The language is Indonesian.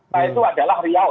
nah itu adalah riau